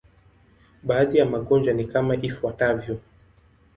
Baadhi ya magonjwa ni kama ifuatavyo.